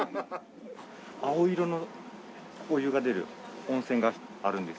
青色のお湯が出る温泉があるんですよ。